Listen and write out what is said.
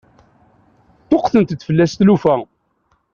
Ṭṭuqqtent-d fell-asen tlufa.